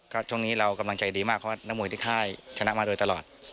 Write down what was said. ก็ช่วงนี้เรากำลังใจดีมากเพราะนักมวยที่ค่ายชนะมาโดยตลอด